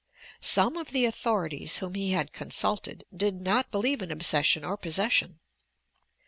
Some of the authorities, whom he had con sulted, did not believe in obsession or possession.